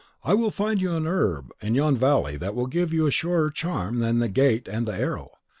I will find you an herb in yon valley that will give a surer charm than the agate and the arrow.